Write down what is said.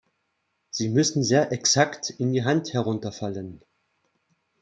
Sie müssen sehr exakt in die Hand herunterfallen.